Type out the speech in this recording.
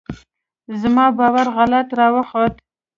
زما باور غلط راوخوت.